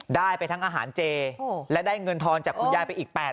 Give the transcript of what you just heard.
ได้ไปทั้งอาหารเจและได้เงินทอนจากคุณยายไปอีก๘๐๐